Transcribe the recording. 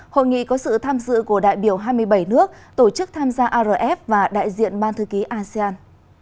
hội nghị có sự tham dự của đại biểu hai mươi bảy nước tổ chức tham gia arf và đại diện ban thư ký asean